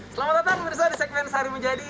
selamat datang mirsa di segmen sehari menjadi